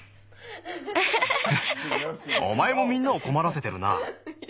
おまえもみんなをこまらせてるな。